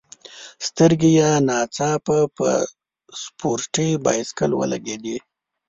سترګي یې نا ځاپه په سپورټي بایسکل ولګېدې.